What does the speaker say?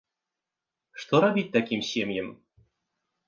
Што рабіць такім сем'ям?